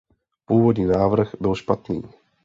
Původní návrh byl špatný.